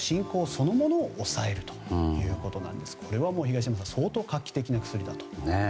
そのものを抑えるということなんですがこれは東山さん相当、画期的な薬だと。